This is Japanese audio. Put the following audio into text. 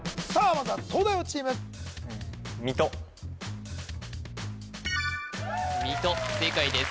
まずは東大王チーム水戸正解です